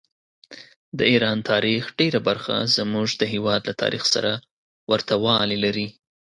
د ایران تاریخ ډېره برخه زموږ د هېواد له تاریخ سره ورته والي لري.